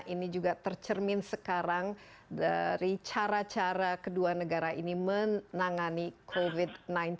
ini juga tercermin sekarang dari cara cara kedua negara ini menangani covid sembilan belas